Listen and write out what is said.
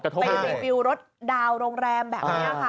ไปรีวิวรถดาวน์โรงแรมแบบนี้ค่ะ